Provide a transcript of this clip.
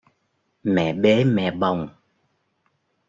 Mẹ bế mẹ bồng